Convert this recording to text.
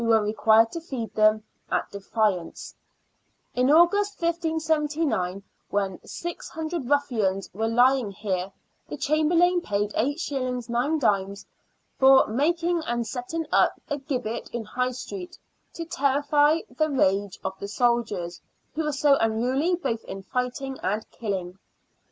were required to feed them, at defiance. In August, 1579, when six hundred ruffians were lying here, the Chamberlain paid 8s. gd. " for making and setting up a gibbet in High Street, to terrify the rage of the soldiers, who were so unruly both in fighting and killing."